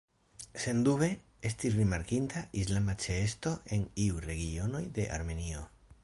Sendube, estis rimarkinda islama ĉeesto en iuj regionoj de Armenio.